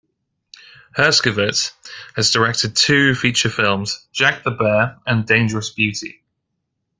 Herskovitz has directed two feature films, "Jack the Bear" and "Dangerous Beauty".